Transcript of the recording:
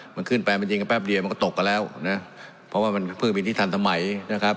มันขึ้นไปมันยิงกันแป๊บเดียวมันก็ตกกันแล้วนะเพราะว่ามันเครื่องบินที่ทันสมัยนะครับ